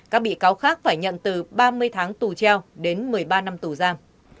các bị cáo khác phải nhận từ ba mươi tháng tù treo đến một mươi ba năm tù giam